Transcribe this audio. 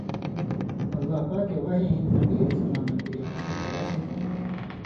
اللہ پاکے وحی ہِن نبی علیہ السلاماں کِریا تسیں خبر دِتیۡ۔